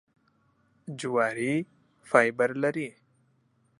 جواري فایبر لري .